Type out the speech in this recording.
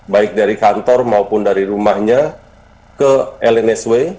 baik dari kantor maupun dari rumahnya ke lnsw